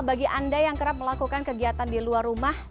bagi anda yang kerap melakukan kegiatan di luar rumah